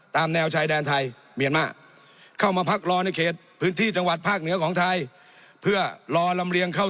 ตามแนวชายแดนไทยเมียนมาร์